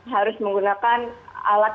harus menggunakan alat